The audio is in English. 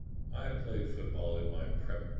"I played football in my prep.